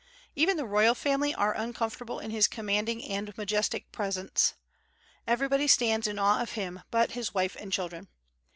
Even the royal family are uncomfortable in his commanding and majestic presence; everybody stands in awe of him but his wife and children.